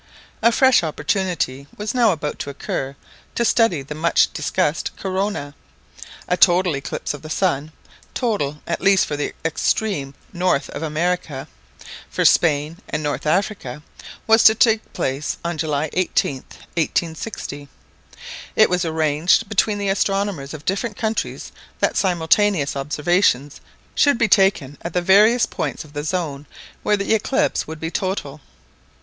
A fresh opportunity was now about to occur to study the much discussed corona. A total eclipse of the sun—total, at least, for the extreme north of America, for Spain and North Africa—was to take place on July 18th, 1860. It was arranged between the astronomers of different countries that simultaneous observations should be taken at the various points of the zone where the eclipse would be total.